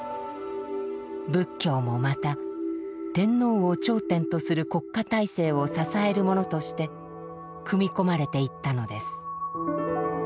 仏教もまた天皇を頂点とする国家体制を支えるものとして組み込まれていったのです。